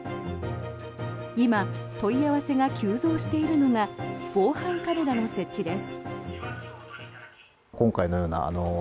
今、問い合わせが急増しているのが防犯カメラの設置です。